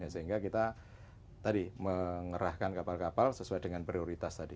sehingga kita tadi mengerahkan kapal kapal sesuai dengan prioritas tadi